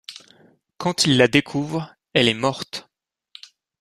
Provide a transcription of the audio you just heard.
Quand il la découvre, elle est morte.